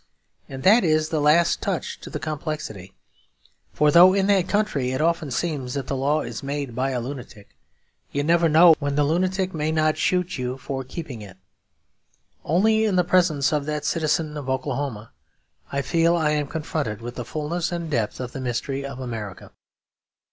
And that is the last touch to the complexity; for though in that country it often seems that the law is made by a lunatic, you never know when the lunatic may not shoot you for keeping it. Only in the presence of that citizen of Oklahoma I feel I am confronted with the fullness and depth of the mystery of America.